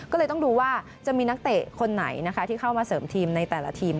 ก็เลยต้องดูว่าจะมีนักเตะคนไหนนะคะที่เข้ามาเสริมทีมในแต่ละทีม